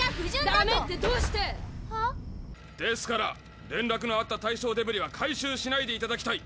「ダメ」ってどうして⁉ですから連絡のあった対象デブリは回収しないでいただきたい！